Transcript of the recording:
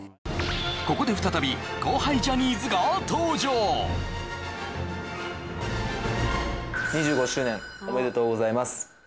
ここで再び後輩ジャニーズが登場２５周年おめでとうございます